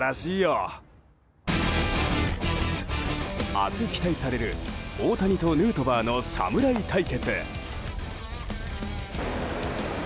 明日、期待される大谷とヌートバーの侍対決。